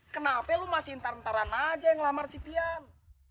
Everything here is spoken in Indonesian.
kenapa lo masih ntar ntaran aja yang ngelamar si pian